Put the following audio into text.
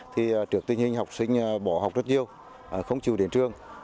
thì trước tình hình học sinh bỏ học rất nhiều không chịu đến trường